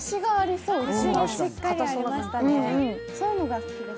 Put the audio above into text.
そういうのが好きです。